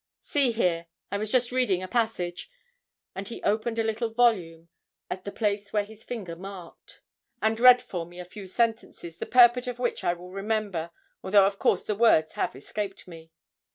See here, I was just reading a passage,' and he opened the little volume at the place where his finger marked it, and read for me a few sentences, the purport of which I well remember, although, of course, the words have escaped me.